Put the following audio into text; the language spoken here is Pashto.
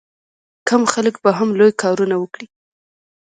کم خلک به هم لوی کارونه وکړي.